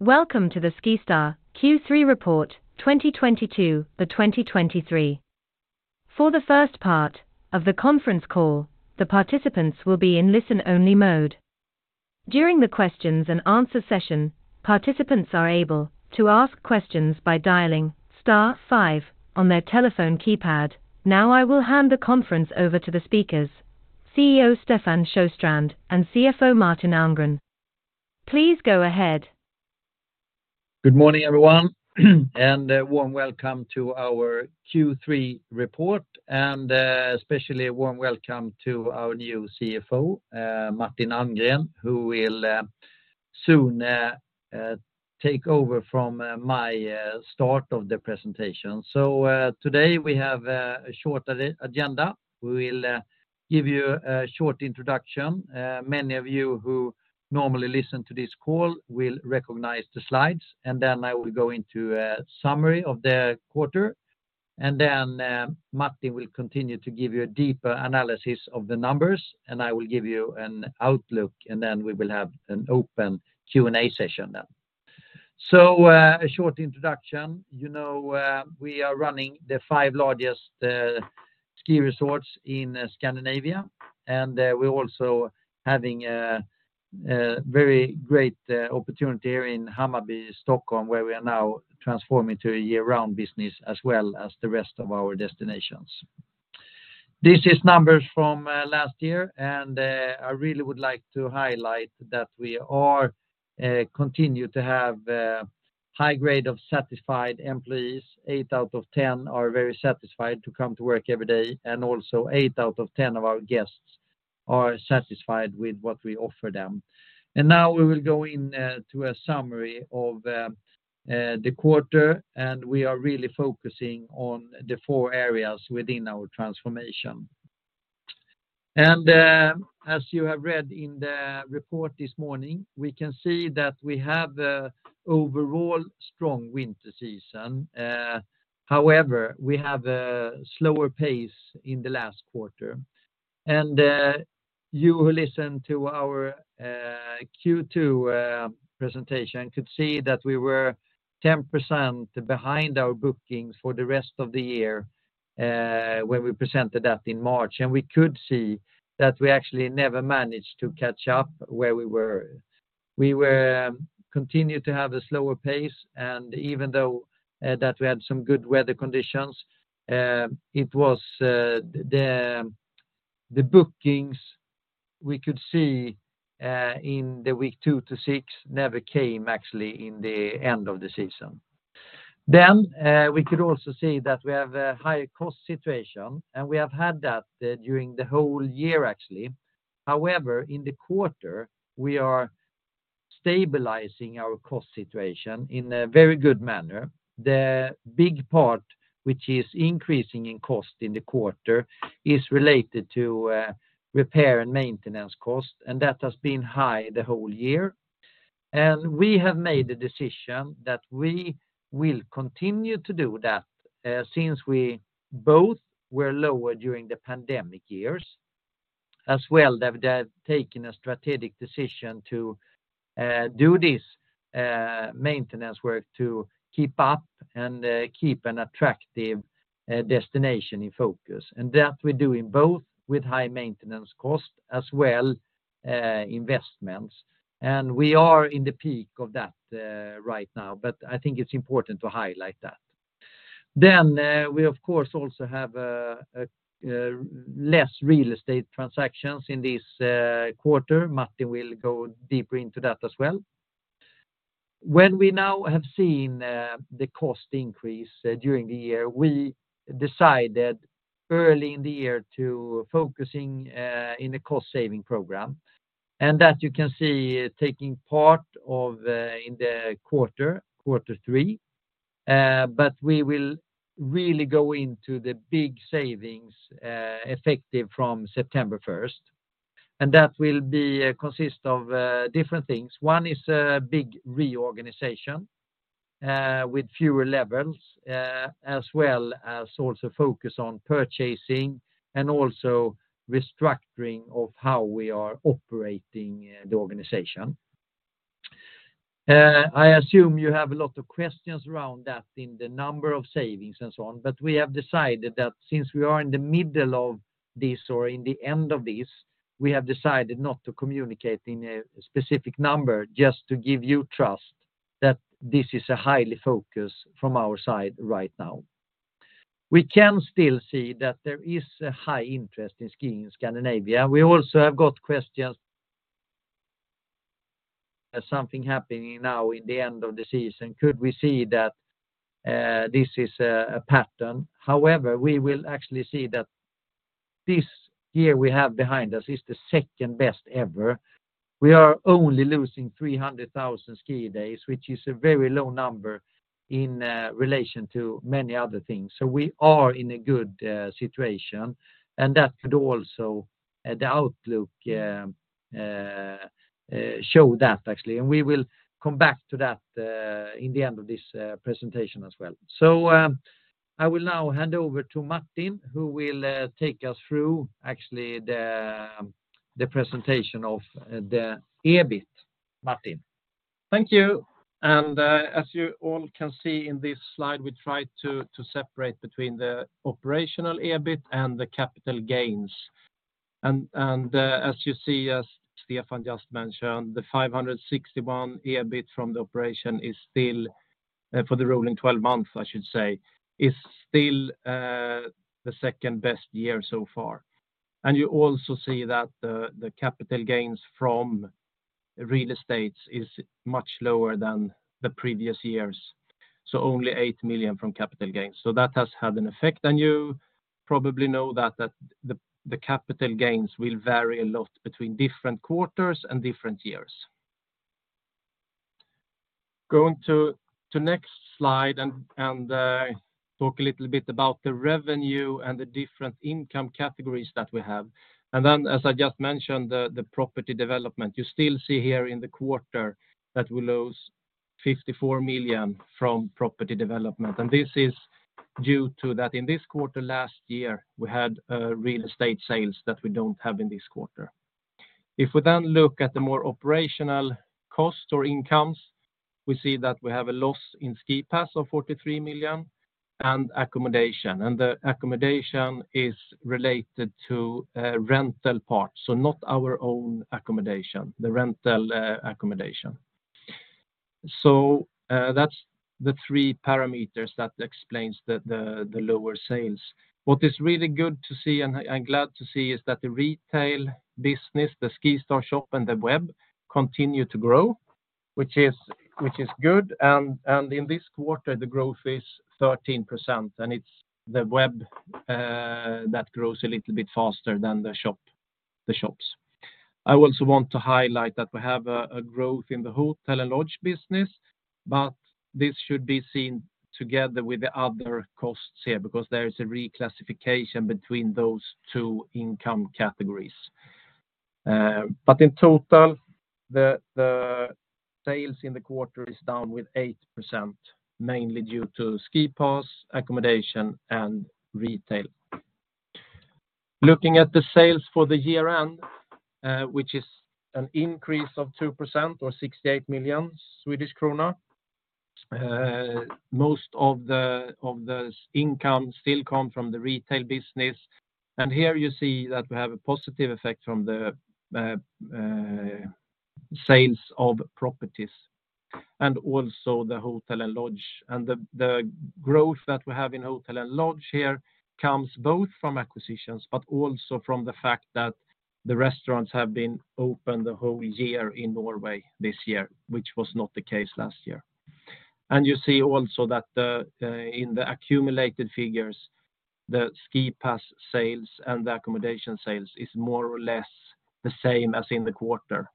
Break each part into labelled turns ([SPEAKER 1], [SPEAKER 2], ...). [SPEAKER 1] Welcome to the SkiStar Q3 Report 2022, the 2023. For the first part of the conference call, the participants will be in listen-only mode. During the questions and answer session, participants are able to ask questions by dialing star five on their telephone keypad. Now, I will hand the conference over to the speakers, CEO Stefan Sjöstrand and CFO Martin Almgren. Please go ahead.
[SPEAKER 2] Good morning, everyone, and a warm welcome to our Q3 report, especially a warm welcome to our new CFO, Martin Almgren, who will soon take over from my start of the presentation. Today, we have a short agenda. We will give you a short introduction. Many of you who normally listen to this call will recognize the slides. Then I will go into a summary of the quarter. Martin will continue to give you a deeper analysis of the numbers. I will give you an outlook. Then we will have an open Q&A session then. A short introduction. You know, we are running the five largest ski resorts in Scandinavia, and we're also having a very great opportunity here in Hammarby, Stockholm, where we are now transforming to a year-round business as well as the rest of our destinations. This is numbers from last year, and I really would like to highlight that we are continue to have a high grade of satisfied employees. Eight out of 10 are very satisfied to come to work every day, and also eight out of 10 of our guests are satisfied with what we offer them. Now we will go in to a summary of the quarter, and we are really focusing on the four areas within our transformation. As you have read in the report this morning, we can see that we have an overall strong winter season. However, we have a slower pace in the last quarter. You who listened to our Q2 presentation could see that we were 10% behind our bookings for the rest of the year, when we presented that in March. We could see that we actually never managed to catch up where we were. We continued to have a slower pace, and even though that we had some good weather conditions, it was the bookings we could see in the week two to six, never came actually in the end of the season. We could also see that we have a high cost situation, and we have had that during the whole year, actually. However, in the quarter, we are stabilizing our cost situation in a very good manner. The big part, which is increasing in cost in the quarter, is related to repair and maintenance cost, and that has been high the whole year. We have made a decision that we will continue to do that since we both were lower during the pandemic years. As well, they have taken a strategic decision to do this maintenance work to keep up and keep an attractive destination in focus. That we're doing both with high maintenance cost as well, investments. We are in the peak of that right now, but I think it's important to highlight that. We, of course, also have a less real estate transactions in this quarter. Martin will go deeper into that as well. When we now have seen the cost increase during the year, we decided early in the year to focusing in a cost-saving program. That you can see taking part of in the quarter three. We will really go into the big savings effective from September first, and that will be consist of different things. One is a big reorganization with fewer levels, as well as also focus on purchasing and also restructuring of how we are operating the organization. I assume you have a lot of questions around that in the number of savings and so on, we have decided that since we are in the middle of this or in the end of this, we have decided not to communicate in a specific number, just to give you trust that this is a highly focus from our side right now. We can still see that there is a high interest in skiing in Scandinavia. We also have got questions as something happening now in the end of the season, could we see that this is a pattern? We will actually see that this year we have behind us is the second best ever. We are only losing 300,000 ski days, which is a very low number in relation to many other things. We are in a good situation, and that could also the outlook show that actually, and we will come back to that in the end of this presentation as well. I will now hand over to Martin, who will take us through actually the presentation of the EBIT, Martin.
[SPEAKER 3] Thank you. As you all can see in this slide, we tried to separate between the operational EBIT and the capital gains. As you see, as Stefan just mentioned, the 561 EBIT from the operation is still, for the rolling 12 months, I should say, is still the second best year so far. You also see that the capital gains from real estates is much lower than the previous years, so only 8 million from capital gains. That has had an effect, and you probably know that the capital gains will vary a lot between different quarters and different years. Going to next slide and talk a little bit about the revenue and the different income categories that we have. As I just mentioned, the property development, you still see here in the quarter that we lose 54 million from property development. This is due to that in this quarter last year, we had real estate sales that we don't have in this quarter. If we then look at the more operational costs or incomes, we see that we have a loss in ski pass of 43 million and accommodation. The accommodation is related to a rental part, so not our own accommodation, the rental accommodation. That's the three parameters that explains the lower sales. What is really good to see, and I'm glad to see, is that the retail business, the SkiStarshop, and the web continue to grow, which is good. In this quarter, the growth is 13%, and it's the web that grows a little bit faster than the shop. I also want to highlight that we have a growth in the hotel and lodge business, but this should be seen together with the other costs here because there is a reclassification between those two income categories. In total, the sales in the quarter is down with 8%, mainly due to ski pass, accommodation, and retail. Looking at the sales for the year-end, which is an increase of 2% or SEK 68 million, most of those income still come from the retail business. Here you see that we have a positive effect from the sales of properties, and also the hotel and lodge. The growth that we have in hotel and lodge here comes both from acquisitions, but also from the fact that the restaurants have been open the whole year in Norway this year, which was not the case last year. You see also that the in the accumulated figures, the ski pass sales and accommodation sales is more or less the same as in the quarter.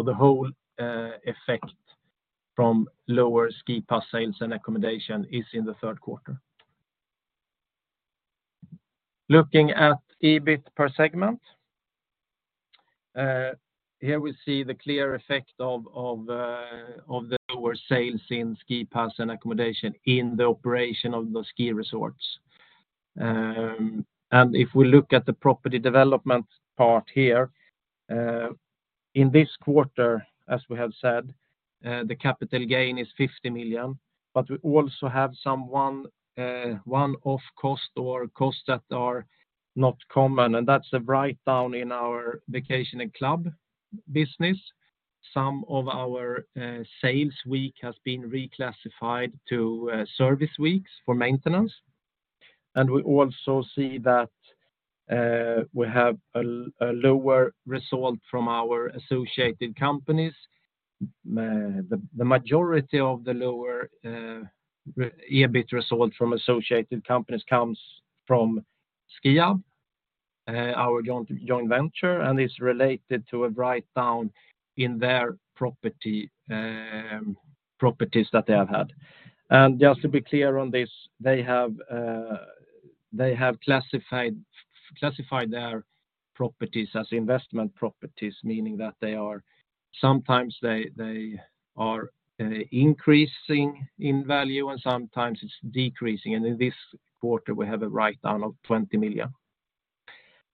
[SPEAKER 3] The whole effect from lower ski pass sales and accommodation is in the Q3. Looking at EBIT per segment, here we see the clear effect of the lower sales in ski pass and accommodation in the operation of the ski resorts. If we look at the property development part here, in this quarter, as we have said, the capital gain is 50 million. We also have some one-off cost or costs that are not common. That's a write down in our Vacation Club business. Some of our sales week has been reclassified to service weeks for maintenance. We also see that we have a lower result from our associated companies. The majority of the lower EBIT result from associated companies comes from SKIAB, our joint venture, and is related to a write down in their property, properties that they have had. Just to be clear on this, they have classified their properties as investment properties, meaning that sometimes they are increasing in value, and sometimes it's decreasing. In this quarter, we have a write down of 20 million.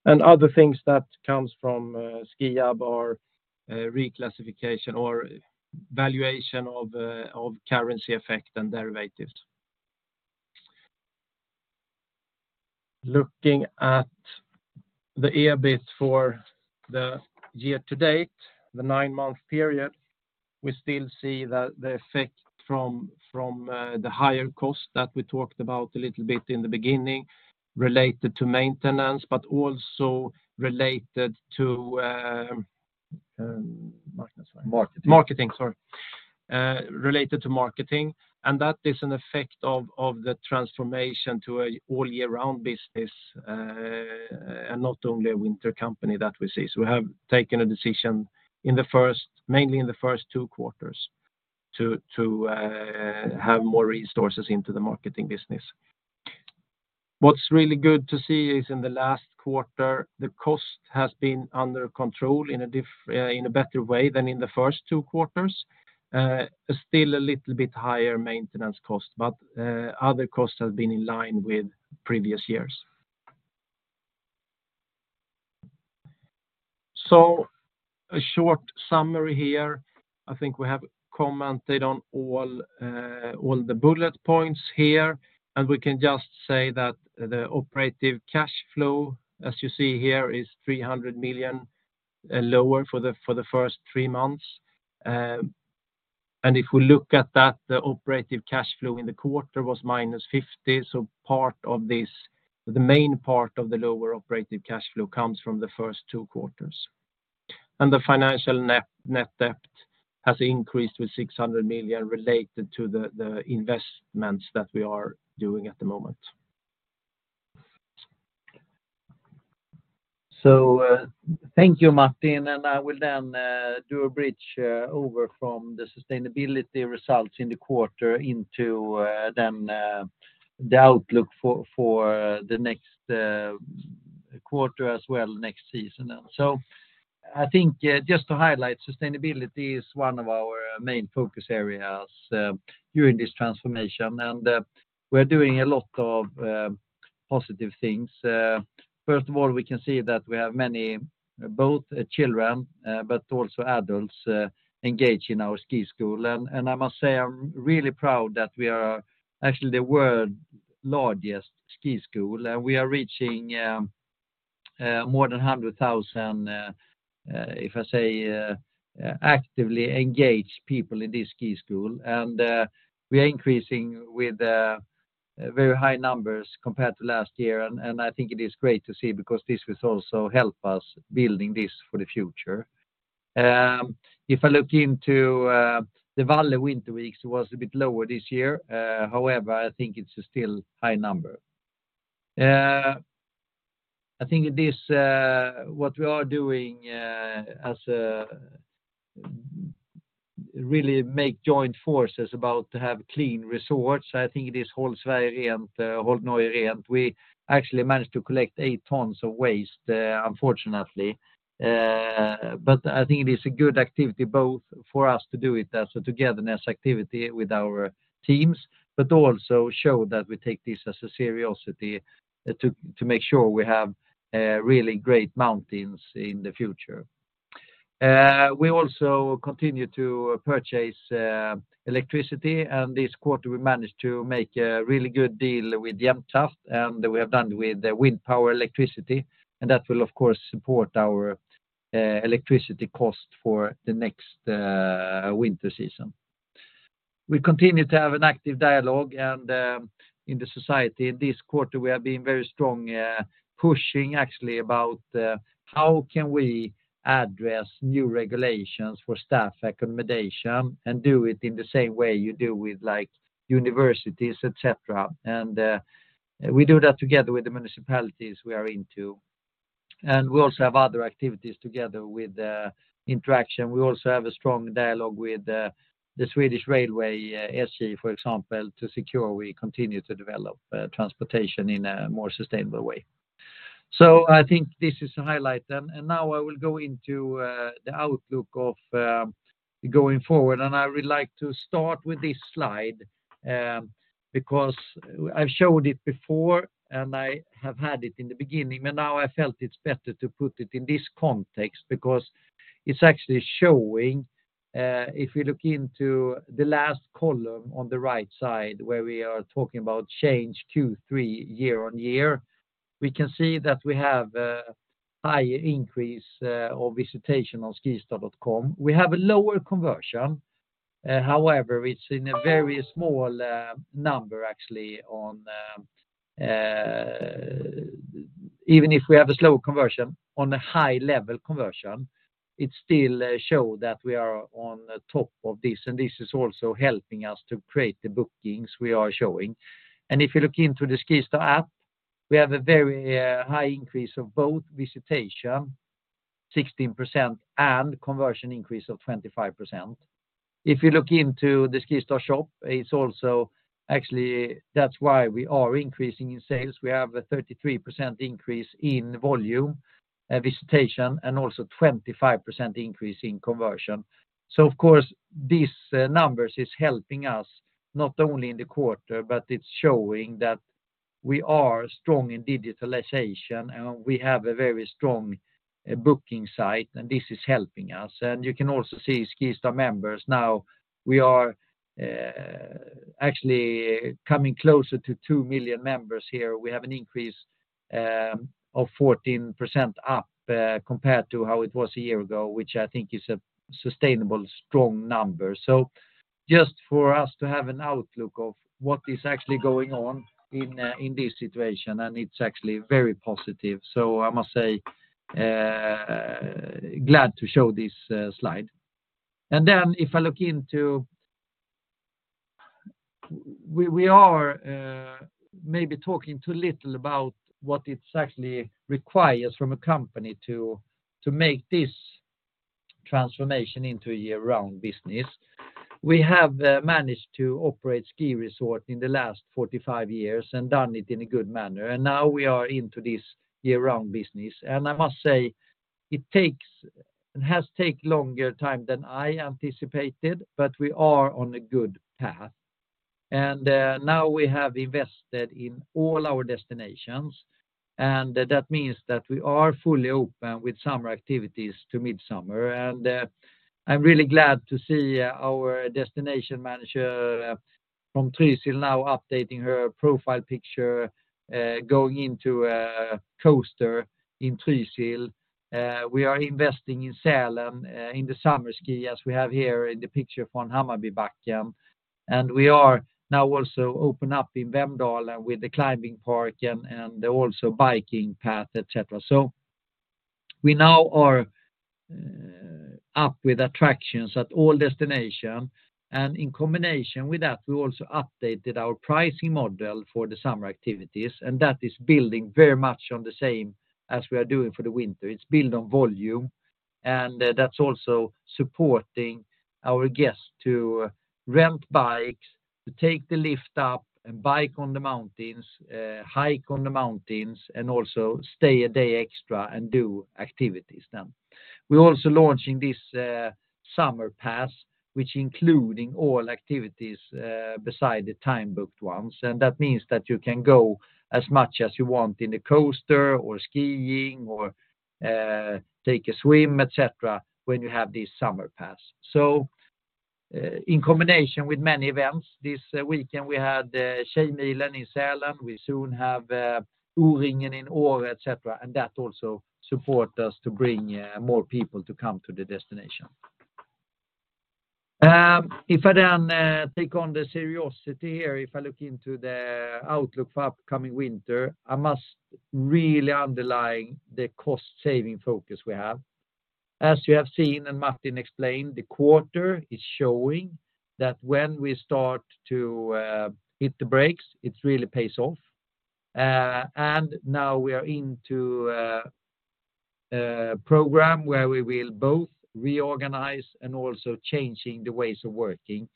[SPEAKER 3] Other things that comes from SKIAB are reclassification or valuation of currency effect and derivatives. Looking at the EBIT for the year to date, the nine month period, we still see that the effect from the higher cost that we talked about a little bit in the beginning, related to maintenance, but also related to,
[SPEAKER 2] Marketing.
[SPEAKER 3] Marketing, sorry. related to marketing, and that is an effect of the transformation to a all year round business, and not only a winter company that we see. We have taken a decision in the first mainly in the first two quarters, to have more resources into the marketing business. What's really good to see is in the last quarter, the cost has been under control in a better way than in the first two quarters. still a little bit higher maintenance cost, other costs have been in line with previous years. A short summary here, I think we have commented on all the bullet points here, we can just say that the operative cash flow, as you see here, is 300 million lower for the first three months. If we look at that, the operative cash flow in the quarter was minus 50. Part of this, the main part of the lower operating cash flow comes from the first two quarters. The financial net debt has increased with 600 million related to the investments that we are doing at the moment.
[SPEAKER 2] Thank you, Martin, and I will then do a bridge over from the sustainability results in the quarter into then the outlook for the next quarter as well, next season. I think, just to highlight, sustainability is one of our main focus areas during this transformation, and we're doing a lot of positive things. First of all, we can see that we have many, both children, but also adults, engaged in our ski school. I must say, I'm really proud that we are actually the world largest ski school, and we are reaching more than 100,000, if I say, actively engaged people in this ski school. We are increasing with very high numbers compared to last year, and I think it is great to see because this will also help us building this for the future. If I look into Valle's Winter Weeks, it was a bit lower this year. However, I think it's still high number. I think this, what we are doing, as a really make joint forces about to have clean resorts, I think it is Håll Sverige Rent. We actually managed to collect 8 tons of waste, unfortunately. But I think it is a good activity both for us to do it as a togetherness activity with our teams, but also show that we take this as a seriously to make sure we have really great mountains in the future. We also continue to purchase electricity, and this quarter, we managed to make a really good deal with Jämtkraft, and we have done with the wind power electricity, and that will, of course, support our electricity cost for the next winter season. We continue to have an active dialogue, and in the society, this quarter, we have been very strong pushing actually about how can we address new regulations for staff accommodation and do it in the same way you deal with, like, universities, et cetera. We do that together with the municipalities we are into. We also have other activities together with the interaction. We also have a strong dialogue with the Swedish Railway, SJ, for example, to secure we continue to develop transportation in a more sustainable way. I think this is a highlight, and now I will go into the outlook of going forward. I would like to start with this slide, because I've showed it before and I have had it in the beginning, but now I felt it's better to put it in this context because it's actually showing, if we look into the last column on the right side, where we are talking about change Q3 year-on-year, we can see that we have a high increase of visitation on skistar.com. We have a lower conversion. However, it's in a very small number actually on, even if we have a slow conversion, on a high level conversion, it still show that we are on top of this, and this is also helping us to create the bookings we are showing. If you look into the SkiStar app, we have a very high increase of both visitation, 16%, and conversion increase of 25%. If you look into the SkiStarshop, it's also actually, that's why we are increasing in sales. We have a 33% increase in volume, visitation, and also 25% increase in conversion. Of course, these numbers is helping us not only in the quarter, but it's showing that we are strong in digitalization, and we have a very strong booking site, and this is helping us. You can also see SkiStar Members. Now, we are actually coming closer to 2 million members here. We have an increase of 14% up compared to how it was a year ago, which I think is a sustainable, strong number. Just for us to have an outlook of what is actually going on in this situation, and it's actually very positive. I must say, glad to show this slide. If I look into We are maybe talking too little about what it actually requires from a company to make this transformation into a year-round business. We have managed to operate ski resort in the last 45 years and done it in a good manner. Now we are into this year-round business. I must say, it has take longer time than I anticipated, but we are on a good path. Now we have invested in all our destinations, and that means that we are fully open with summer activities to mid-summer. I'm really glad to see our destination manager from Trysil now updating her profile picture going into a coaster in Trysil. We are investing in Sälen in the summer ski, as we have here in the picture from Hammarbybacken. We are now also open up in Vemdalen with the climbing park and also biking path, et cetera. We now are up with attractions at all destination. In combination with that, we also updated our pricing model for the summer activities, and that is building very much on the same as we are doing for the winter. It's built on volume, and that's also supporting our guests to rent bikes, to take the lift up and bike on the mountains, hike on the mountains, and also stay a day extra and do activities then. We're also launching this summer pass, which including all activities, beside the time-booked ones, and that means that you can go as much as you want in the coaster, or skiing, or take a swim, et cetera, when you have this summer pass. In combination with many events, this weekend, we had Tjejmilen in Sälen. We soon have O-Ringen in Åre, et cetera, that also support us to bring more people to come to the destination. If I take on the seriousness here, if I look into the outlook for upcoming winter, I must really underline the cost-saving focus we have. As you have seen, and Martin explained, the quarter is showing that when we start to hit the brakes, it really pays off. Now we are into a program where we will both reorganize and also changing the ways of working.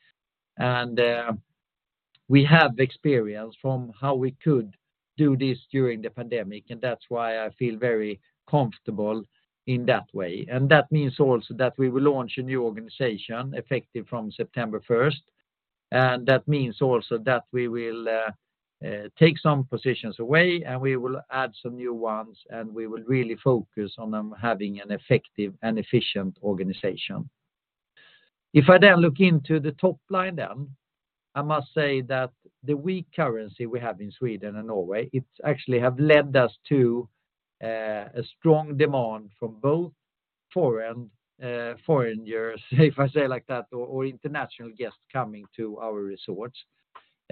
[SPEAKER 2] We have experience from how we could do this during the pandemic, and that's why I feel very comfortable in that way. That means also that we will launch a new organization effective from September 1st. That means also that we will take some positions away, and we will add some new ones, and we will really focus on them having an effective and efficient organization. If I then look into the top line, I must say that the weak currency we have in Sweden and Norway, it actually have led us to a strong demand from both foreign foreigners, if I say like that, or international guests coming to our resorts.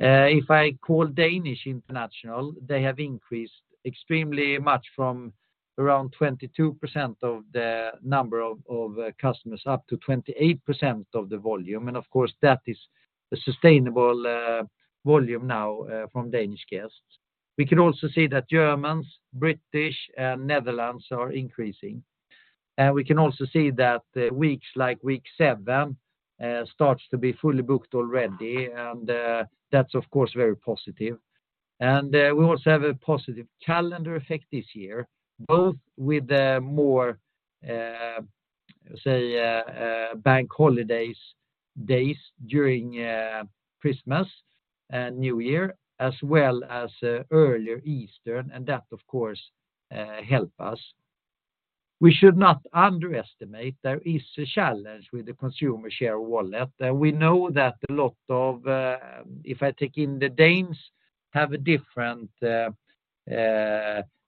[SPEAKER 2] If I call Danish international, they have increased extremely much from around 22% of the number of customers, up to 28% of the volume. Of course, that is a sustainable volume now from Danish guests. We can also see that Germans, British, and Netherlands are increasing. We can also see that the weeks, like week seven, starts to be fully booked already, and that's of course, very positive. We also have a positive calendar effect this year, both with the more bank holidays days during Christmas and New Year, as well as earlier Easter, and that, of course, help us. We should not underestimate there is a challenge with the consumer share wallet. We know that a lot of, if I take in the Danes, have a different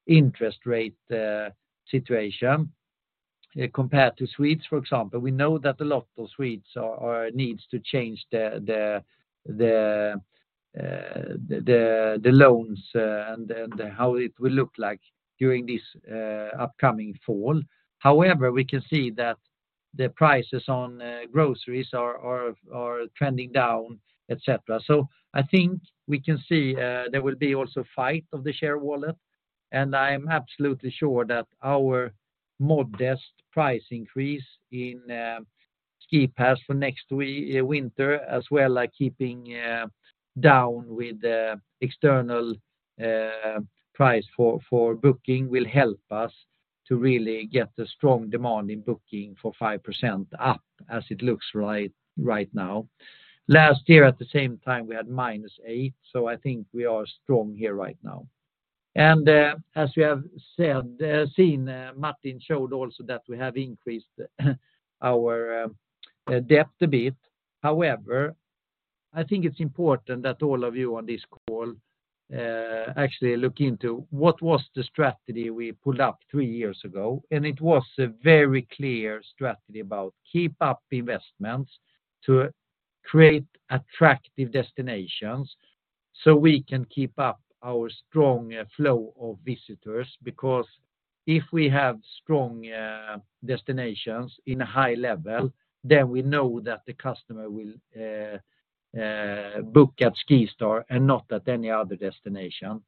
[SPEAKER 2] interest rate situation compared to Swedes, for example. We know that a lot of Swedes are needs to change the loans and how it will look like during this upcoming fall. We can see that the prices on groceries are trending down, et cetera. I think we can see, there will be also fight of the share wallet, and I'm absolutely sure that our modest price increase in ski pass for next winter, as well like keeping down with the external price for booking, will help us to really get the strong demand in booking for 5% up as it looks right now. Last year, at the same time, we had -8. I think we are strong here right now. As we have said, seen, Martin showed also that we have increased our debt a bit. However, I think it's important that all of you on this call actually look into what was the strategy we pulled up three years ago, and it was a very clear strategy about keep up investments to create attractive destinations so we can keep up our strong flow of visitors. If we have strong destinations in a high level, then we know that the customer will book at SkiStar and not at any other destination.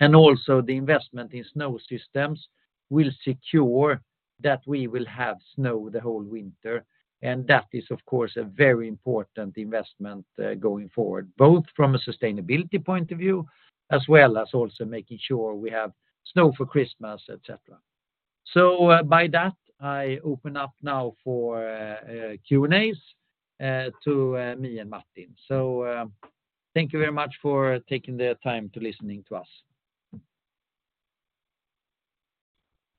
[SPEAKER 2] Also, the investment in snow systems will secure that we will have snow the whole winter, and that is, of course, a very important investment, going forward, both from a sustainability point of view, as well as also making sure we have snow for Christmas, et cetera. By that, I open up now for Q&As to me and Martin. Thank you very much for taking the time to listening to us.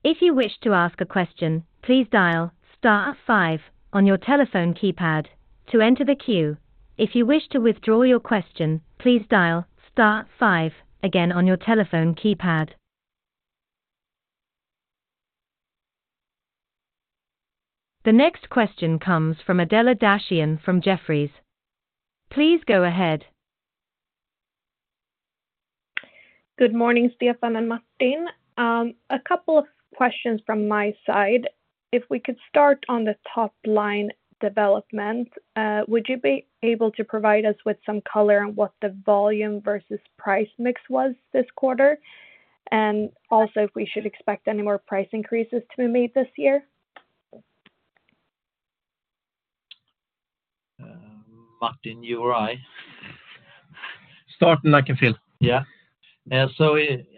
[SPEAKER 1] If you wish to ask a question, please dial star five on your telephone keypad to enter the queue. If you wish to withdraw your question, please dial star five again on your telephone keypad. The next question comes from Adela Dashian from Jefferies. Please go ahead.
[SPEAKER 4] Good morning, Stefan and Martin. A couple of questions from my side. If we could start on the top line development, would you be able to provide us with some color on what the volume versus price mix was this quarter? If we should expect any more price increases to be made this year?
[SPEAKER 2] Martin, you or I?
[SPEAKER 3] Start I can fill.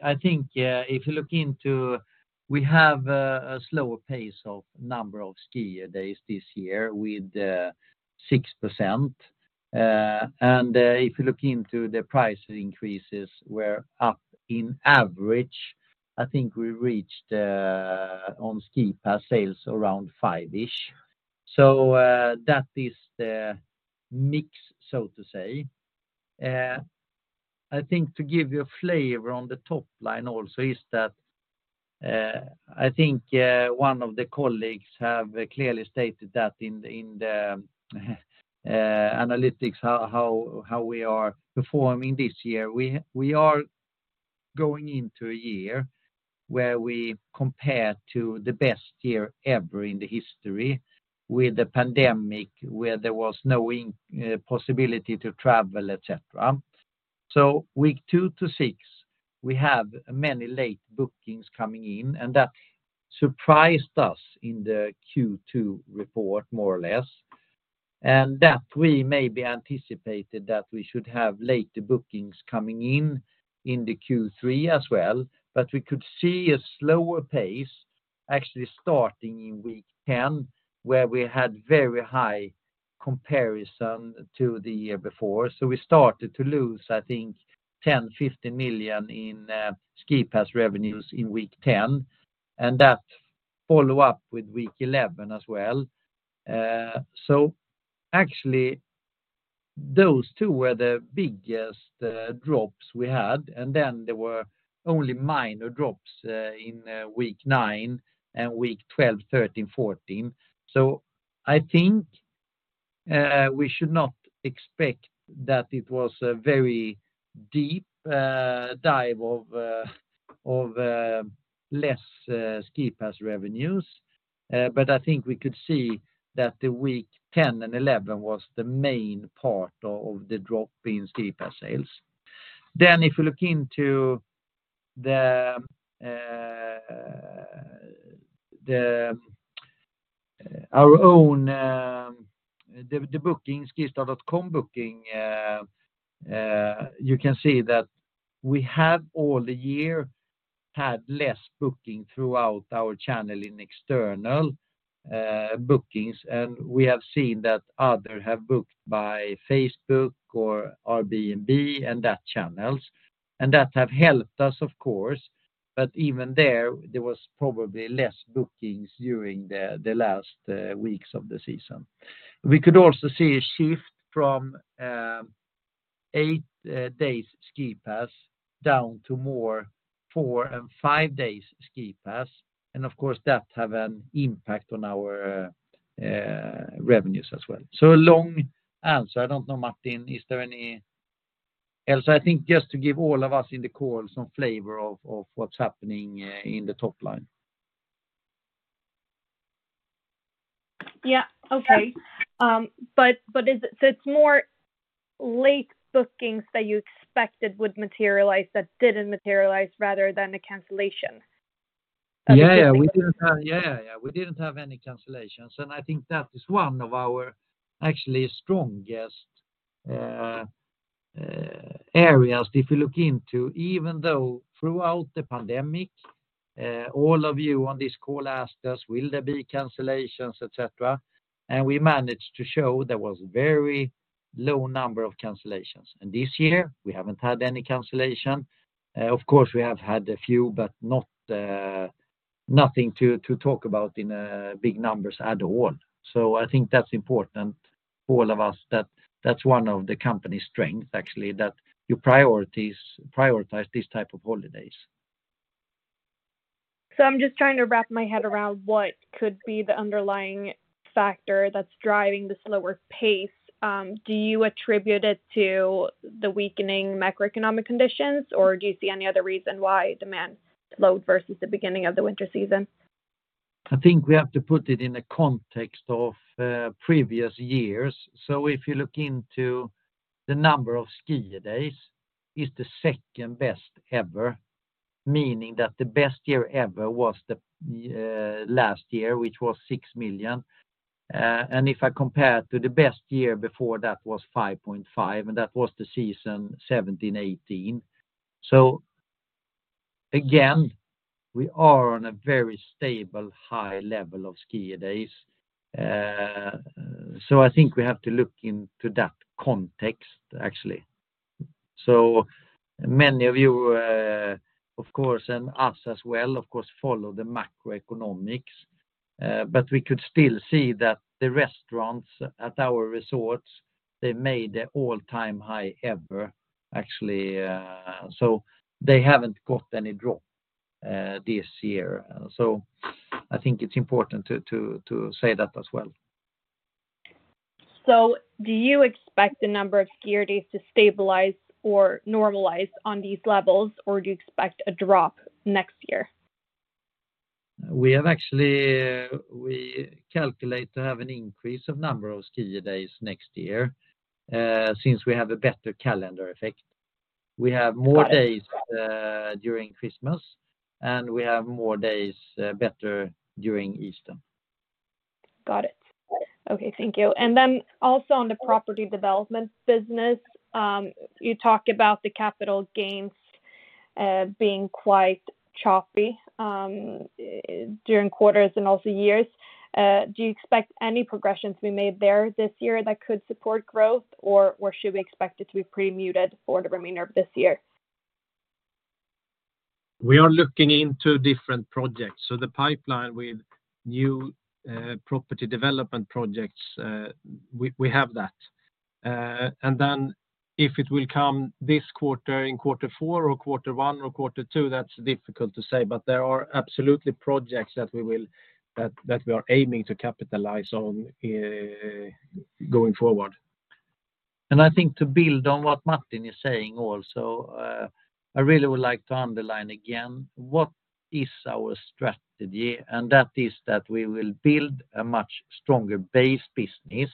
[SPEAKER 2] I think, if you look, we have a slower pace of number of skier days this year with 6%. If you look into the price increases were up in average, I think we reached on ski pass sales around 5-ish. That is the mix, so to say. I think to give you a flavor on the top line also is that I think one of the colleagues have clearly stated that in the analytics, how we are performing this year. We are going into a year where we compare to the best year ever in the history with the pandemic, where there was no possibility to travel, et cetera. Week 2 to 6, we have many late bookings coming in, and that surprised us in the Q2 report, more or less. That we may be anticipated that we should have later bookings coming in in the Q3 as well, but we could see a slower pace actually starting in week 10, where we had very high comparison to the year before. We started to lose, I think, 10 million-50 million in ski pass revenues in week 10, and that follow up with week 11 as well. Actually, those two were the biggest drops we had, and then there were only minor drops in week nine and week 12, 13, 14. I think, we should not expect that it was a very deep dive of less ski pass revenues. I think we could see that the week 10 and 11 was the main part of the drop in ski pass sales. If you look into our own booking, skistar.com booking, you can see that we have all the year had less booking throughout our channel in external bookings, and we have seen that other have booked by Facebook or Airbnb and that channels, and that have helped us, of course, but even there was probably less bookings during the last weeks of the season. We could also see a shift from eight days ski pass down to more four and five days ski pass, and of course, that have an impact on our revenues as well. A long answer. I don't know, Martin, is there any. I think just to give all of us in the call some flavor of what's happening in the top line.
[SPEAKER 4] Yeah, okay. It's more late bookings that you expected would materialize, that didn't materialize rather than a cancellation?
[SPEAKER 2] Yeah, we didn't have any cancellations, and I think that is one of our actually strongest areas. If you look into, even though throughout the pandemic, all of you on this call asked us, will there be cancellations, et cetera? We managed to show there was very low number of cancellations. This year, we haven't had any cancellation. Of course, we have had a few, but not nothing to talk about in big numbers at all. I think that's important for all of us, that that's one of the company's strengths, actually, that your priorities prioritize this type of holidays.
[SPEAKER 4] I'm just trying to wrap my head around what could be the underlying factor that's driving the slower pace. Do you attribute it to the weakening macroeconomic conditions, or do you see any other reason why demand load versus the beginning of the winter season?
[SPEAKER 2] I think we have to put it in a context of previous years. If you look into the number of skier days, is the second best ever, meaning that the best year ever was the last year, which was 6 million. If I compare to the best year before that was 5.5, and that was the season 2017, 2018. Again, we are on a very stable, high level of skier days. I think we have to look into that context, actually. Many of you, of course, and us as well, of course, follow the macroeconomics. We could still see that the restaurants at our resorts, they made an all-time high ever, actually, so they haven't got any drop this year. I think it's important to say that as well.
[SPEAKER 4] Do you expect the number of skier days to stabilize or normalize on these levels, or do you expect a drop next year?
[SPEAKER 2] We calculate to have an increase of number of skier days next year, since we have a better calendar effect. We have more days during Christmas, and we have more days better during Easter.
[SPEAKER 4] Got it. Okay, thank you. On the property development business, you talk about the capital gains, being quite choppy, during quarters and also years. Do you expect any progressions to be made there this year that could support growth, or should we expect it to be pretty muted for the remainder of this year?
[SPEAKER 3] We are looking into different projects. The pipeline with new property development projects, we have that. If it will come this quarter, in quarter four, or quarter one, or quarter two, that's difficult to say. There are absolutely projects that we are aiming to capitalize on going forward.
[SPEAKER 2] I think to build on what Martin is saying also, I really would like to underline again, what is our strategy? That is that we will build a much stronger base business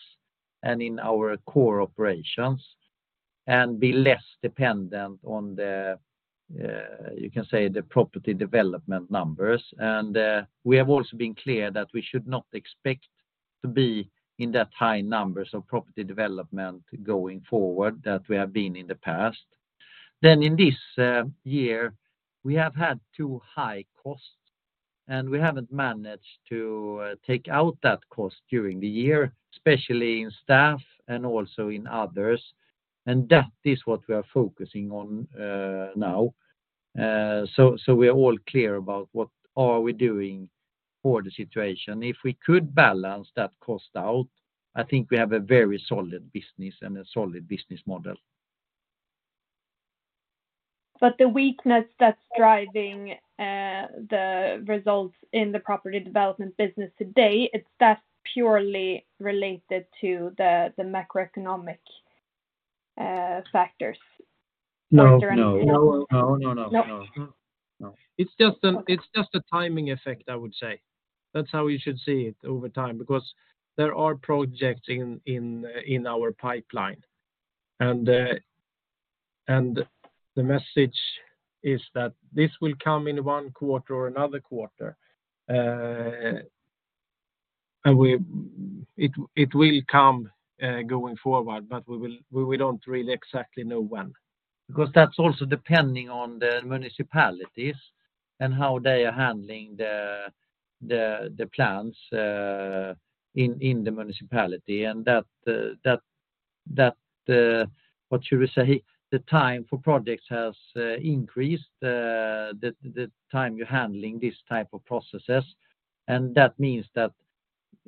[SPEAKER 2] and in our core operations, and be less dependent on the, you can say, the property development numbers. We have also been clear that we should not expect to be in that high numbers of property development going forward, that we have been in the past. In this year, we have had two high costs, and we haven't managed to take out that cost during the year, especially in staff and also in others, and that is what we are focusing on now. We are all clear about what are we doing for the situation. If we could balance that cost out, I think we have a very solid business and a solid business model.
[SPEAKER 4] The weakness that's driving, the results in the property development business today, is that purely related to the macroeconomic factors?
[SPEAKER 3] No.
[SPEAKER 2] No.
[SPEAKER 3] No, no, no.
[SPEAKER 2] No.
[SPEAKER 3] It's just a timing effect, I would say. That's how you should see it over time, because there are projects in our pipeline. The message is that this will come in one quarter or another quarter. It will come, going forward, but we don't really exactly know when.
[SPEAKER 2] That's also depending on the municipalities and how they are handling the plans in the municipality. That, what should we say? The time for projects has increased the time you're handling these type of processes. That means that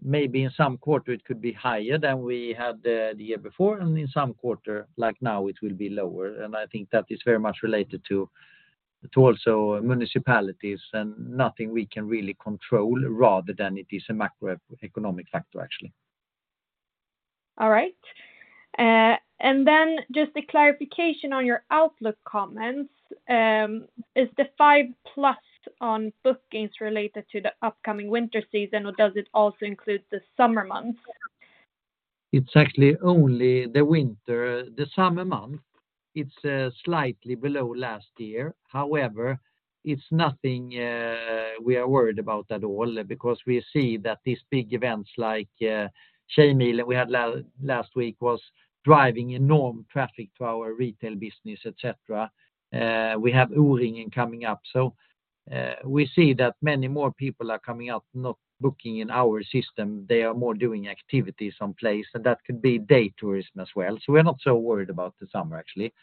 [SPEAKER 2] maybe in some quarter it could be higher than we had the year before, and in some quarter, like now, it will be lower. I think that is very much related to also municipalities and nothing we can really control, rather than it is a macroeconomic factor, actually.
[SPEAKER 4] All right. Just a clarification on your outlook comments. Is the 5+ on bookings related to the upcoming winter season, or does it also include the summer months?
[SPEAKER 2] It's actually only the winter. The summer month, it's slightly below last year. However, it's nothing we are worried about at all, because we see that these big events like Tjejmilen, we had last week, was driving enormous traffic to our retail business, et cetera. We have O-Ring coming up. We see that many more people are coming out, not booking in our system. They are more doing activities on place, and that could be day tourism as well. We're not so worried about the summer, actually.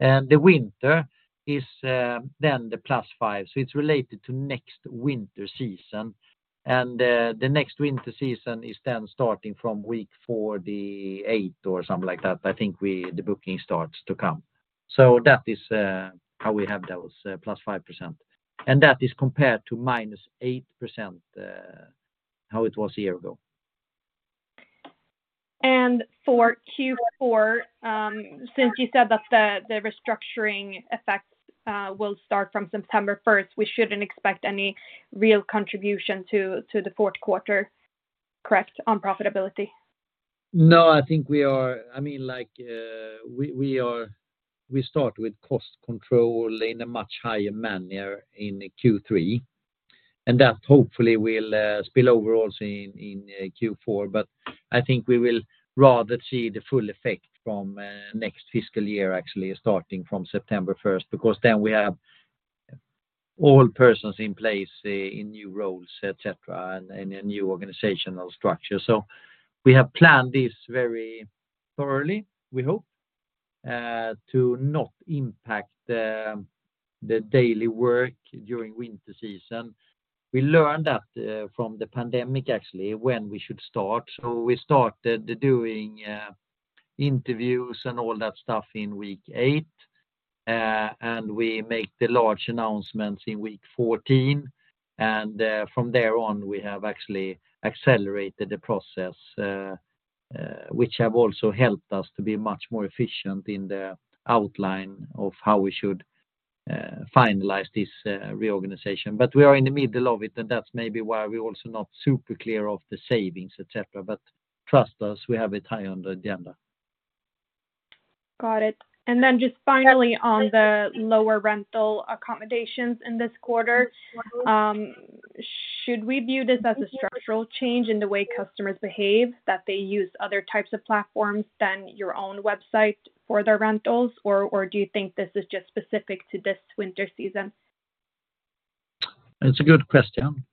[SPEAKER 2] The winter is then the +5%, so it's related to next winter season. The next winter season is then starting from week 48 or something like that. I think the booking starts to come. That is how we have those +5%. That is compared to -8%, how it was a year ago.
[SPEAKER 4] For Q4, since you said that the restructuring effects will start from September 1st, we shouldn't expect any real contribution to the Q4, correct, on profitability?
[SPEAKER 2] No, I think, I mean, like, we start with cost control in a much higher manner in Q3, and that hopefully will spill over also in Q4. I think we will rather see the full effect from next fiscal year, actually, starting from September first, because then we have all persons in place in new roles, et cetera, and a new organizational structure. We have planned this very thoroughly, we hope, to not impact the daily work during winter season. We learned that from the pandemic, actually, when we should start. We started doing interviews and all that stuff in week eight, and we make the large announcements in week 14. From there on, we have actually accelerated the process, which have also helped us to be much more efficient in the outline of how we should finalize this reorganization. We are in the middle of it, and that's maybe why we're also not super clear of the savings, et cetera. Trust us, we have it high on the agenda.
[SPEAKER 4] Got it. Just finally on the lower rental accommodations in this quarter, should we view this as a structural change in the way customers behave, that they use other types of platforms than your own website for their rentals? Do you think this is just specific to this winter season?
[SPEAKER 2] It's a good question.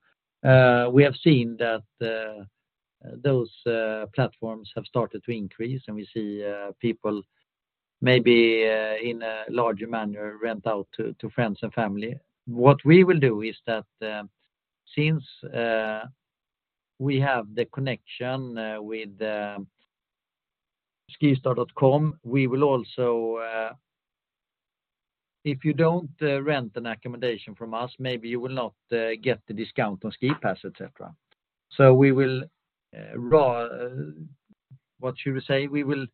[SPEAKER 2] We have seen that those platforms have started to increase, and we see people maybe in a larger manner, rent out to friends and family. What we will do is that since we have the connection with the skistar.com, we will also... If you don't rent an accommodation from us, maybe you will not get the discount on ski pass, et cetera. We will what should we say? We will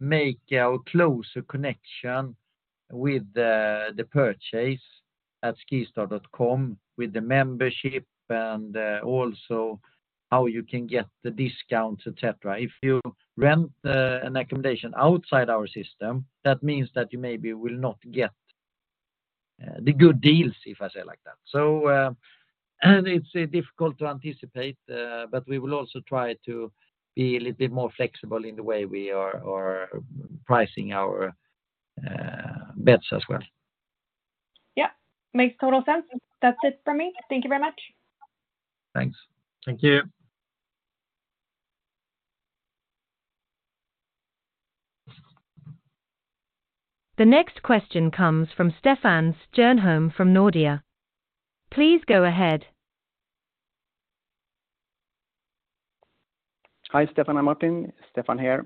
[SPEAKER 2] make our closer connection with the purchase at skistar.com, with the membership and also how you can get the discounts, et cetera. If you rent an accommodation outside our system, that means that you maybe will not get the good deals, if I say like that. It's difficult to anticipate, but we will also try to be a little bit more flexible in the way we are pricing our beds as well.
[SPEAKER 4] Yep. Makes total sense. That's it for me. Thank you very much.
[SPEAKER 2] Thanks.
[SPEAKER 3] Thank you.
[SPEAKER 1] The next question comes from Stefan Stjernholm from Nordea. Please go ahead.
[SPEAKER 5] Hi, Stefan and Martin. Stefan here.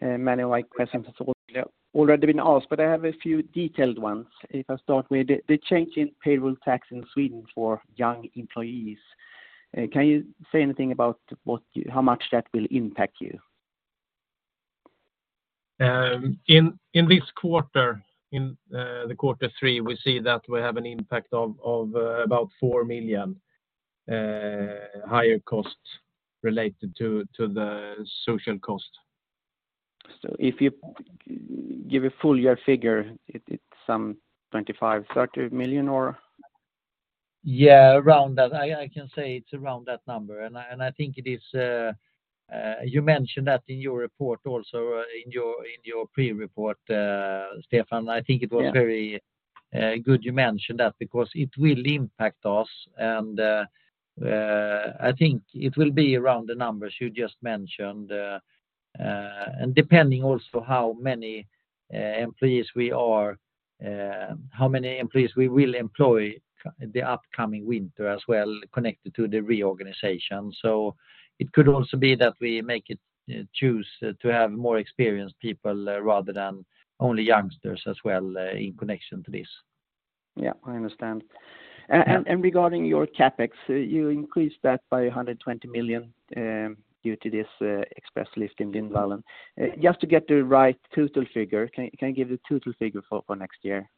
[SPEAKER 5] many like questions have already been asked, but I have a few detailed ones. If I start with the change in payroll tax in Sweden for young employees, can you say anything about how much that will impact you?
[SPEAKER 3] In this quarter, in the quarter three, we see that we have an impact of about 4 million higher costs related to the social cost.
[SPEAKER 5] If you give a full year figure, it's some 25 million-30 million or?
[SPEAKER 2] Yeah, around that. I can say it's around that number, and I think it is, You mentioned that in your report also, in your pre-report, Stefan.
[SPEAKER 5] Yeah.
[SPEAKER 2] I think it was very good you mentioned that because it will impact us, and I think it will be around the numbers you just mentioned. Depending also how many employees we are, how many employees we will employ the upcoming winter as well, connected to the reorganization. It could also be that we make it choose to have more experienced people rather than only youngsters as well, in connection to this.
[SPEAKER 5] Yeah, I understand. Regarding your CapEx, you increased that by 120 million due to this express lift in Lindvallen. Just to get the right total figure, can you give the total figure for next year?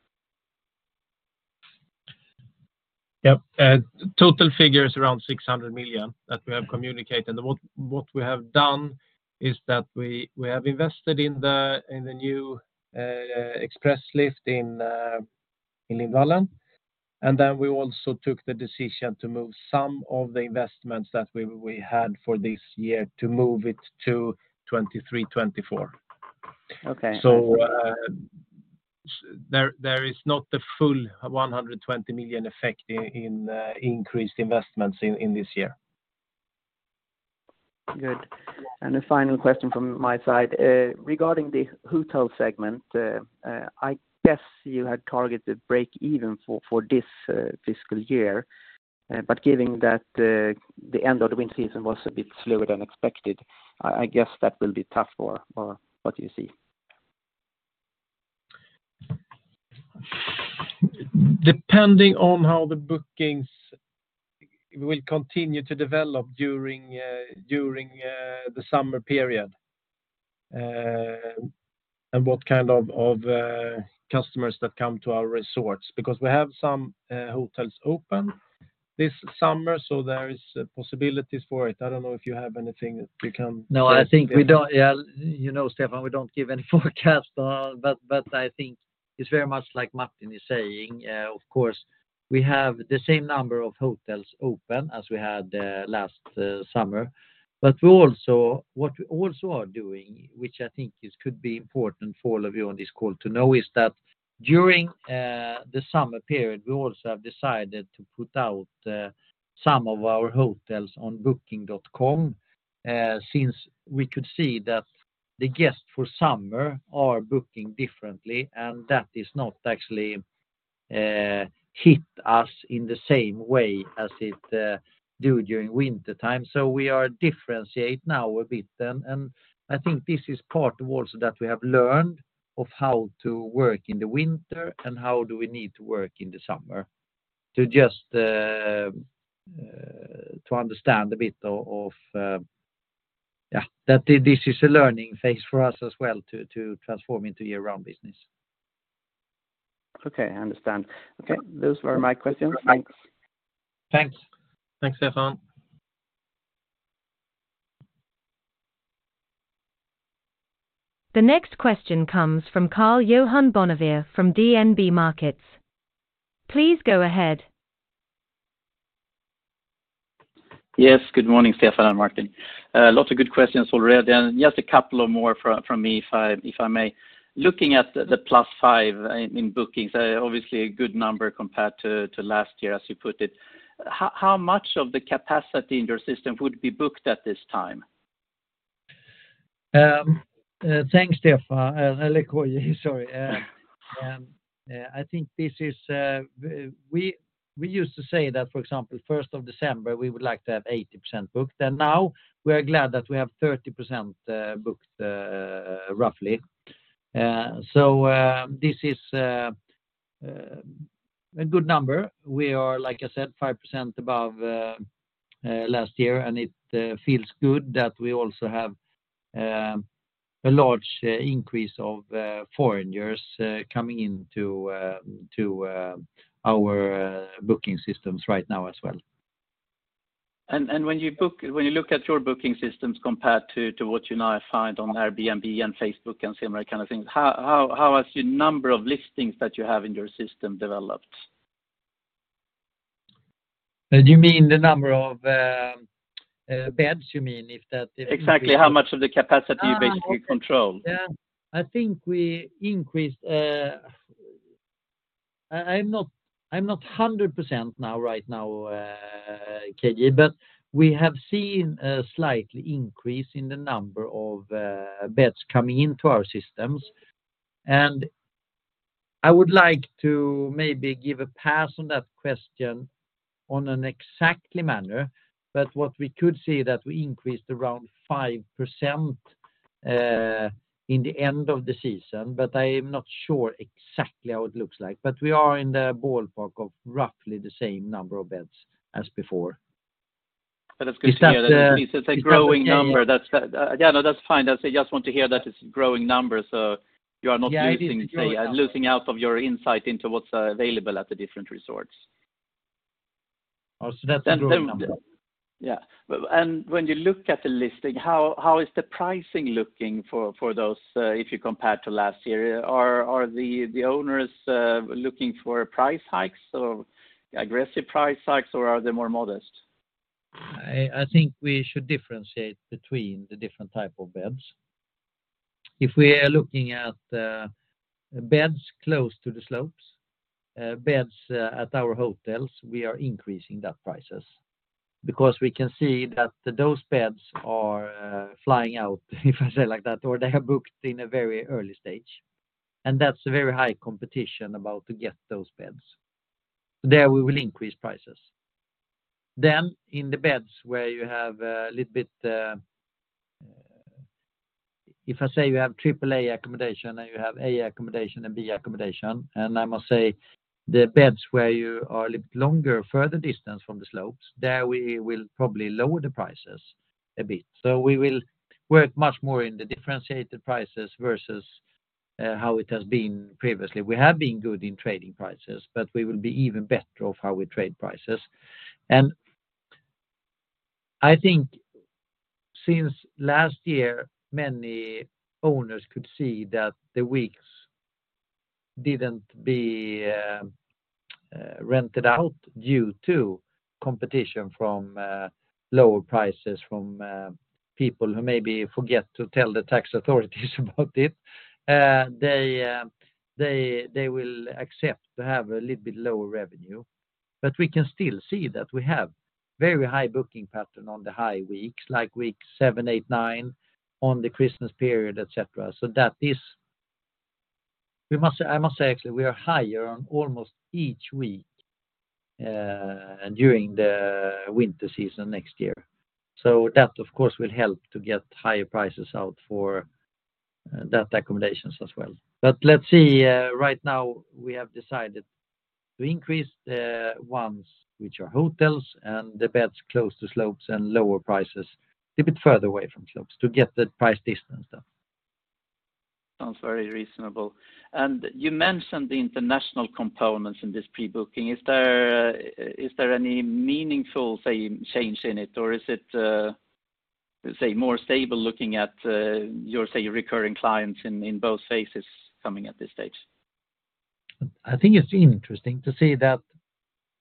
[SPEAKER 3] Total figure is around 600 million that we have communicated. What we have done is that we have invested in the new express lift in Lindvallen. Then we also took the decision to move some of the investments that we had for this year to move it to 2023, 2024.
[SPEAKER 5] Okay.
[SPEAKER 3] There is not the full 120 million effect in increased investments in this year.
[SPEAKER 5] Good. A final question from my side. Regarding the hotel segment, I guess you had targeted break even for this fiscal year. Giving that the end of the winter season was a bit slower than expected, I guess that will be tough or what do you see?
[SPEAKER 3] Depending on how the bookings will continue to develop during the summer period.... and what kind of customers that come to our resorts? We have some hotels open this summer, so there is possibilities for it. I don't know if you have anything that you can-
[SPEAKER 2] No, I think we don't. Yeah, you know, Stefan, we don't give any forecast, but I think it's very much like Martin is saying. Of course, we have the same number of hotels open as we had last summer. What we also are doing, which I think is could be important for all of you on this call to know, is that during the summer period, we also have decided to put out some of our hotels on Booking.com. Since we could see that the guests for summer are booking differently, and that is not actually hit us in the same way as it do during wintertime. We are differentiate now a bit, and I think this is part also that we have learned of how to work in the winter and how do we need to work in the summer to just understand a bit of. Yeah, that this is a learning phase for us as well to transform into year-round business.
[SPEAKER 5] Okay, I understand. Okay, those were my questions. Thanks.
[SPEAKER 2] Thanks. Thanks, Stefan.
[SPEAKER 1] The next question comes from Karl-Johan Bonnevier from DNB Markets. Please go ahead.
[SPEAKER 6] Good morning, Stefan and Martin. Lots of good questions already, just a couple of more from me, if I, if I may. Looking at the +5% in bookings, obviously a good number compared to last year, as you put it. How much of the capacity in your system would be booked at this time?
[SPEAKER 2] Thanks, Stefan. Sorry. I think this is, we used to say that, for example, 1st of December, we would like to have 80% booked, and now we are glad that we have 30% booked, roughly. This is a good number. We are, like I said, 5% above last year, and it feels good that we also have a large increase of foreigners coming into our booking systems right now as well.
[SPEAKER 6] When you look at your booking systems compared to what you now find on Airbnb and Facebook and similar kind of things, how has your number of listings that you have in your system developed?
[SPEAKER 2] Do you mean the number of beds, you mean?
[SPEAKER 6] Exactly, how much of the capacity you basically control?
[SPEAKER 2] Yeah, I think we increased. I'm not 100% now, right now, KJ, but we have seen a slight increase in the number of beds coming into our systems. I would like to maybe give a pass on that question on an exact manner, but what we could see that we increased around 5% in the end of the season, but I am not sure exactly how it looks like. We are in the ballpark of roughly the same number of beds as before.
[SPEAKER 6] That's good to hear.
[SPEAKER 2] Is that?
[SPEAKER 6] It's a growing number. That's, yeah, no, that's fine. I just want to hear that it's growing numbers, so you are not-
[SPEAKER 2] Yeah, it is growing.
[SPEAKER 6] Losing out of your insight into what's available at the different resorts.
[SPEAKER 2] That's a growing number.
[SPEAKER 6] When you look at the listing, how is the pricing looking for those, if you compare to last year? Are the owners looking for price hikes or aggressive price hikes, or are they more modest?
[SPEAKER 2] I think we should differentiate between the different type of beds. If we are looking at the beds close to the slopes, beds at our hotels, we are increasing that prices because we can see that those beds are flying out, if I say like that, or they are booked in a very early stage, and that's a very high competition about to get those beds. There, we will increase prices. In the beds where you have a little bit, if I say you have triple A accommodation, and you have A accommodation and B accommodation, and I must say the beds where you are a little longer, further distance from the slopes, there we will probably lower the prices a bit. We will work much more in the differentiated prices versus how it has been previously. We have been good in trading prices, but we will be even better of how we trade prices. I think since last year, many owners could see that the weeks didn't be rented out due to competition from lower prices from people who maybe forget to tell the tax authorities about it. They will accept to have a little bit lower revenue, but we can still see that we have very high booking pattern on the high weeks, like week seven, eight, nine, on the Christmas period, et cetera. I must say, actually, we are higher on almost each week during the winter season next year. That, of course, will help to get higher prices out for that accommodations as well. Let's see, right now, we have decided- To increase the ones which are hotels and the beds close to slopes and lower prices a bit further away from slopes to get the price distance done.
[SPEAKER 6] Sounds very reasonable. You mentioned the international components in this pre-booking. Is there any meaningful, say, change in it, or is it, let's say, more stable looking at your, say, recurring clients in both phases coming at this stage?
[SPEAKER 2] I think it's interesting to see that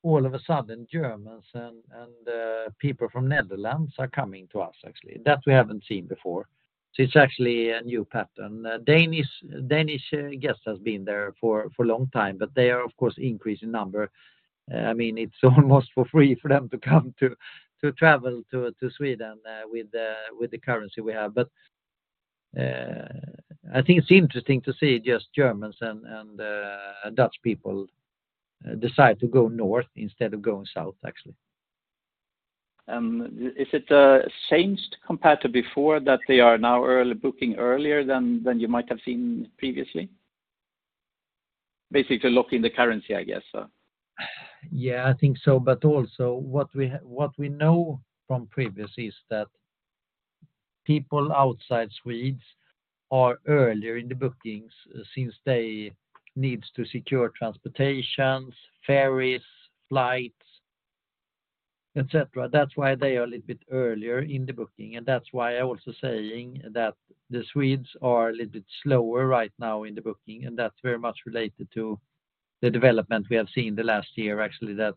[SPEAKER 2] all of a sudden, Germans and people from Netherlands are coming to us actually, that we haven't seen before. It's actually a new pattern. Danish guests has been there for a long time, but they are, of course, increasing in number. I mean, it's almost for free for them to come to travel to Sweden with the currency we have. I think it's interesting to see just Germans and Dutch people decide to go north instead of going south, actually.
[SPEAKER 6] Is it changed compared to before that they are now booking earlier than you might have seen previously? Basically, to lock in the currency, I guess so.
[SPEAKER 2] Yeah, I think so. Also what we know from previous is that people outside Swedes are earlier in the bookings since they needs to secure transportations, ferries, flights, et cetera. That's why they are a little bit earlier in the booking, and that's why I also saying that the Swedes are a little bit slower right now in the booking, and that's very much related to the development we have seen in the last year, actually, that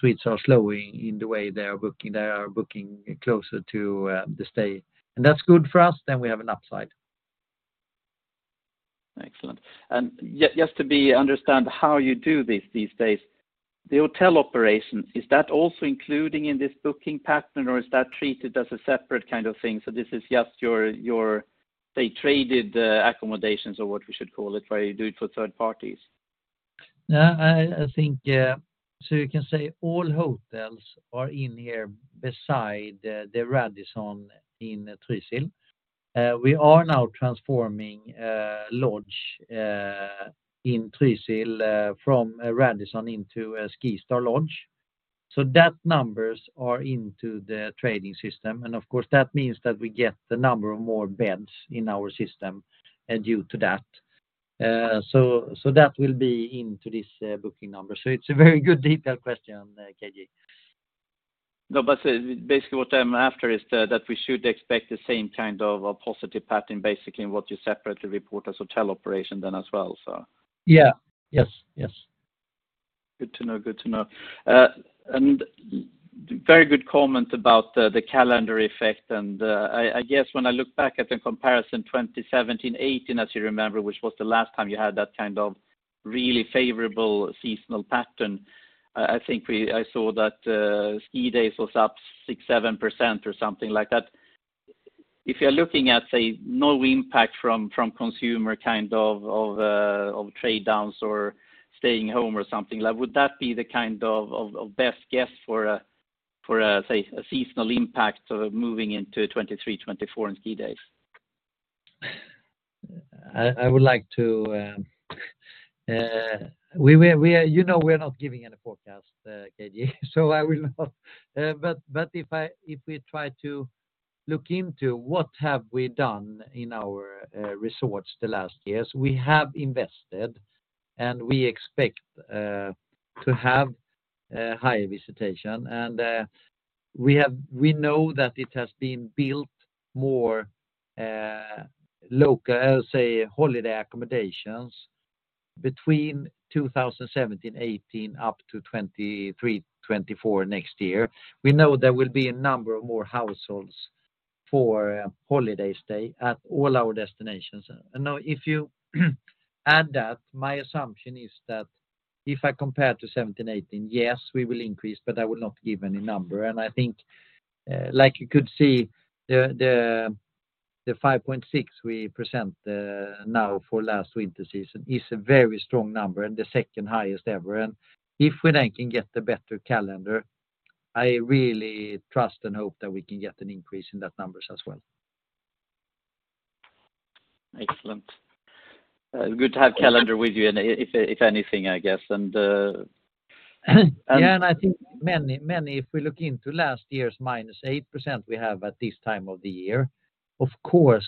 [SPEAKER 2] Swedes are slowing in the way they are booking. They are booking closer to the stay. That's good for us, then we have an upside.
[SPEAKER 6] Excellent. Just to understand how you do this these days, the hotel operations, is that also including in this booking pattern, or is that treated as a separate kind of thing? This is just your, say, traded accommodations or what we should call it, where you do it for third parties.
[SPEAKER 2] I think you can say all hotels are in here beside the Radisson in Trysil. We are now transforming a lodge in Trysil from a Radisson into a SkiStar Lodge. That numbers are into the trading system, and of course, that means that we get the number of more beds in our system and due to that. That will be into this booking number. It's a very good detailed question, KJ.
[SPEAKER 6] Basically what I'm after is that we should expect the same kind of a positive pattern, basically, in what you separately report as hotel operation then as well, so.
[SPEAKER 2] Yeah. Yes, yes.
[SPEAKER 6] Good to know, good to know. Very good comment about the calendar effect. I guess when I look back at the comparison 2017-2018, as you remember, which was the last time you had that kind of really favorable seasonal pattern, I saw that ski days was up 6%-7% or something like that. If you're looking at, say, no impact from consumer kind of trade downs or staying home or something, would that be the kind of best guess for a, for a, say, a seasonal impact sort of moving into 2023-2024 in ski days?
[SPEAKER 2] I would like to. We are, you know, we're not giving any forecast, KJ, so I will not. If we try to look into what have we done in our resorts the last years, we have invested, and we expect to have high visitation. We know that it has been built more local, say, holiday accommodations between 2017, 2018, up to 2023, 2024 next year. We know there will be a number of more households for a holiday stay at all our destinations. Now, if you add that, my assumption is that if I compare to 2017, 2018, yes, we will increase, but I will not give any number. I think, like you could see the 5.6 we present now for last winter season is a very strong number and the second highest ever. If we then can get the better calendar, I really trust and hope that we can get an increase in that numbers as well.
[SPEAKER 6] Excellent. good to have calendar with you and if anything, I guess.
[SPEAKER 2] Yeah, I think many, if we look into last year's - 8% we have at this time of the year, of course,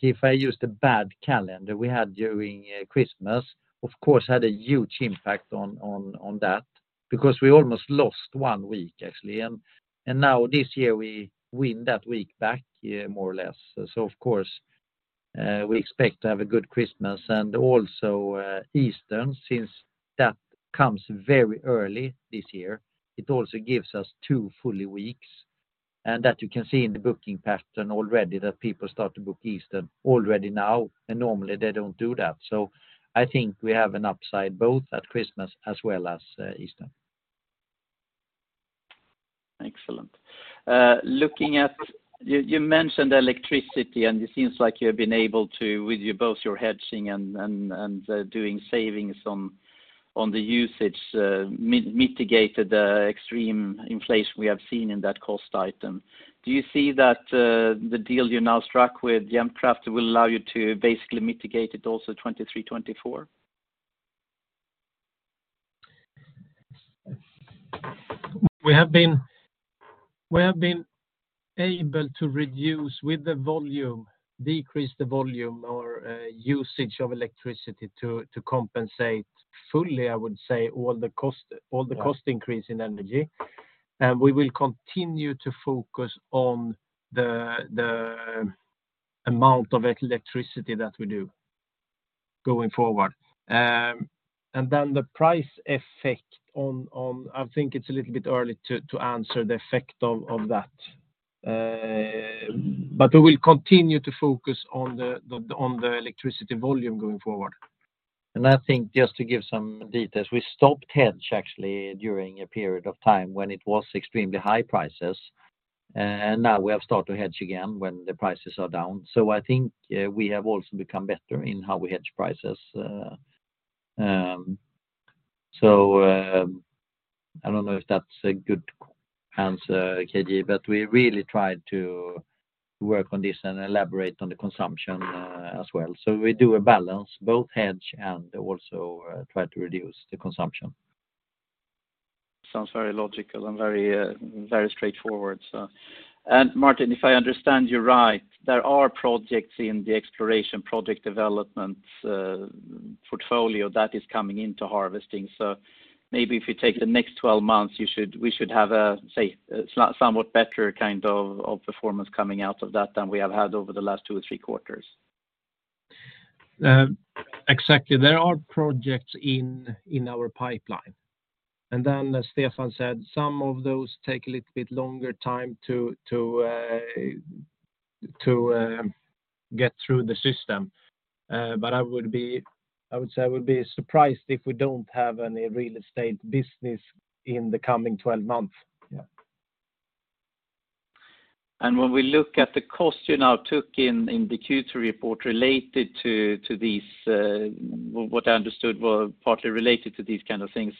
[SPEAKER 2] if I use the bad calendar we had during Christmas, of course, had a huge impact on that because we almost lost one week, actually. Now this year, we win that week back, more or less. Of course, we expect to have a good Christmas and also Easter, since that comes very early this year, it also gives us two fully weeks. That you can see in the booking pattern already, that people start to book Easter already now, and normally they don't do that. I think we have an upside, both at Christmas as well as Easter.
[SPEAKER 6] Excellent. You mentioned electricity, and it seems like you have been able to, with your both your hedging and doing savings on the usage, mitigated the extreme inflation we have seen in that cost item. Do you see that the deal you now struck with Jämtkraft will allow you to basically mitigate it also 2023, 2024?
[SPEAKER 3] We have been able to reduce with the volume, decrease the volume or usage of electricity to compensate fully, I would say, all the cost increase in energy. We will continue to focus on the amount of electricity that we do going forward. Then the price effect on. I think it's a little bit early to answer the effect of that. We will continue to focus on the electricity volume going forward.
[SPEAKER 2] I think just to give some details, we stopped hedge actually during a period of time when it was extremely high prices, and now we have started to hedge again when the prices are down. I think we have also become better in how we hedge prices. I don't know if that's a good answer, KJ, but we really tried to work on this and elaborate on the consumption as well. We do a balance, both hedge and also try to reduce the consumption.
[SPEAKER 6] Sounds very logical and very, very straightforward. Martin, if I understand you right, there are projects in the exploration project development portfolio that is coming into harvesting. Maybe if you take the next 12 months, we should have a, say, a somewhat better kind of performance coming out of that than we have had over the last 2 or 3 quarters.
[SPEAKER 3] Exactly. There are projects in our pipeline. As Stefan said, some of those take a little bit longer time to get through the system. I would say I would be surprised if we don't have any real estate business in the coming 12 months.
[SPEAKER 2] Yeah.
[SPEAKER 6] When we look at the cost you now took in the Q2 report related to these, what I understood were partly related to these kind of things,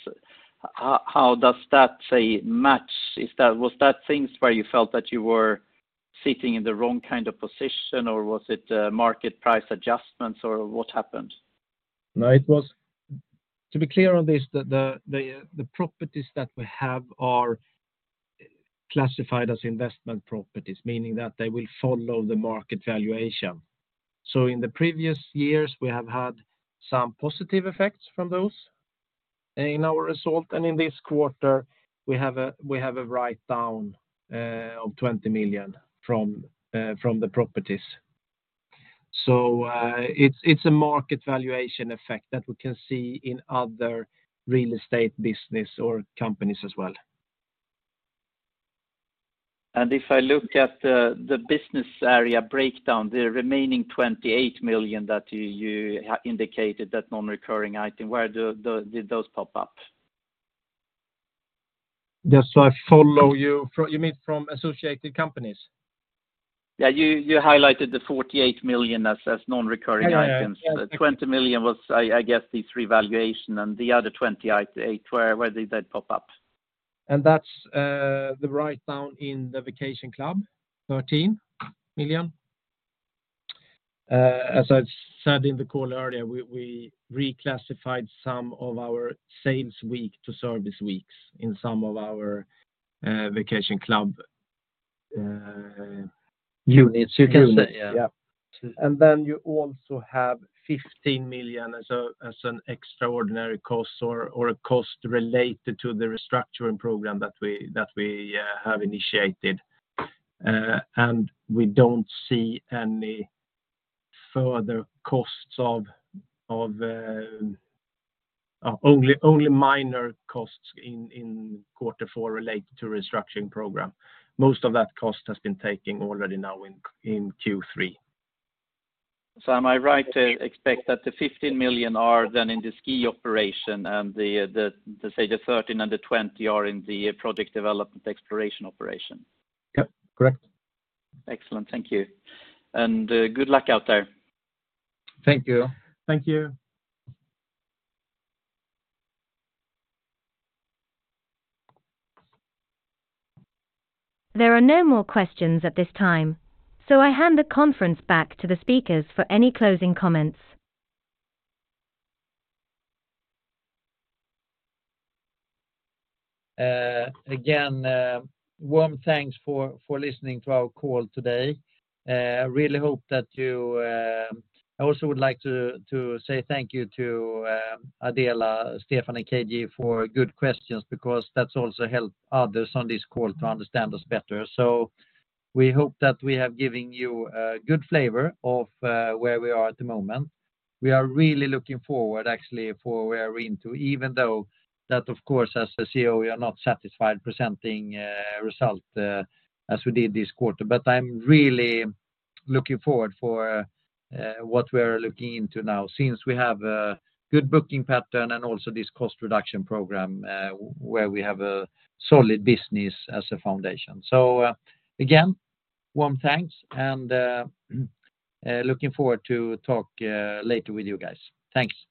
[SPEAKER 6] how does that, say, match? Was that things where you felt that you were sitting in the wrong kind of position, or was it, market price adjustments, or what happened?
[SPEAKER 3] To be clear on this, the properties that we have are classified as investment properties, meaning that they will follow the market valuation. In the previous years, we have had some positive effects from those in our result, and in this quarter, we have a write down of 20 million from the properties. It's a market valuation effect that we can see in other real estate business or companies as well.
[SPEAKER 6] If I look at the business area breakdown, the remaining 28 million that you indicated, that non-recurring item, where did those pop up?
[SPEAKER 3] Just so I follow you mean from associated companies?
[SPEAKER 6] Yeah, you highlighted the 48 million as non-recurring items.
[SPEAKER 3] Yeah, yeah.
[SPEAKER 6] The 20 million was, I guess, the revaluation. The other 28, where did that pop up?
[SPEAKER 3] That's the write down in the SkiStar Vacation Club, 13 million. As I said in the call earlier, we reclassified some of our sales week to service weeks in some of our SkiStar Vacation Club.
[SPEAKER 2] Units, you can say.
[SPEAKER 3] Units, yeah. You also have 15 million as an extraordinary cost or a cost related to the restructuring program that we have initiated. We don't see any further costs only minor costs in Q4 related to restructuring program. Most of that cost has been taken already now in Q3.
[SPEAKER 6] Am I right to expect that the 15 million are then in the ski operation and the, say, the 13 and the 20 are in the project development exploration operation?
[SPEAKER 3] Yep, correct.
[SPEAKER 6] Excellent. Thank you. Good luck out there.
[SPEAKER 3] Thank you.
[SPEAKER 2] Thank you.
[SPEAKER 1] There are no more questions at this time, so I hand the conference back to the speakers for any closing comments.
[SPEAKER 3] Again, warm thanks for listening to our call today. I really hope that you. I also would like to say thank you to Adela, Stefan, and KJ for good questions, because that's also helped others on this call to understand us better. We hope that we have given you a good flavor of where we are at the moment. We are really looking forward, actually, for where we are into, even though that, of course, as a CEO, we are not satisfied presenting result as we did this quarter. I'm really looking forward for what we are looking into now, since we have a good booking pattern and also this cost reduction program, where we have a solid business as a foundation. Again, warm thanks, and, looking forward to talk, later with you guys. Thanks.
[SPEAKER 2] Thank you.